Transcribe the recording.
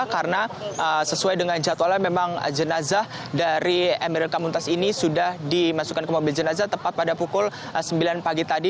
karena sesuai dengan jadwalnya memang jenazah dari amerika muntas ini sudah dimasukkan ke mobil jenazah tepat pada pukul sembilan pagi tadi